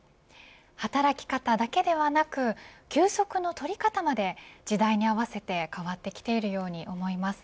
働き方だけではなく休息の取り方まで時代に合わせて変わってきているように思います。